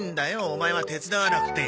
オマエは手伝わなくて。